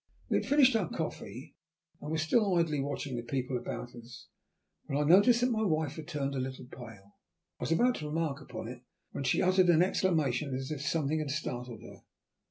We had finished our coffee and were still idly watching the people about us when I noticed that my wife had turned a little pale. I was about to remark upon it, when she uttered an exclamation as if something had startled her.